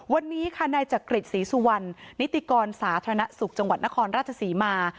วันนี้ค่ะนายจักริจศรีสุวรรณนิติกรสาธารณสุขจังหวัดนครราชศรีมา